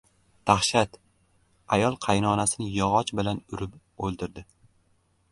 Dahshat! Ayol qaynonasini yog‘och bilan urib o‘ldirdi